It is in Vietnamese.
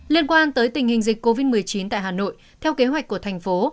liên quan tới tình hình dịch covid một mươi chín tại hà nội theo kế hoạch của thành phố